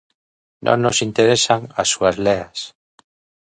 Non nos interesan as súas leas.